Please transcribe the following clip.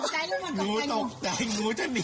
หนูตกใจหนูจะหนี